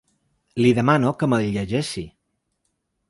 Li demano que me’l llegeixi.